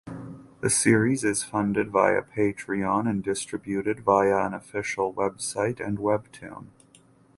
The series is funded via Patreon and distributed via an official website and Webtoon.